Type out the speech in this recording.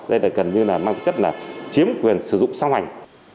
đây là gần như là mang chất là chiếm quyền sử dụng xong hành